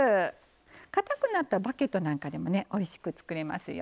かたくなったバゲットなんかでもおいしく作れますよ。